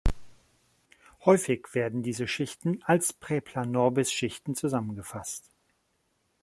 Häufig werden diese Schichten als "Präplanorbis-Schichten" zusammengefasst.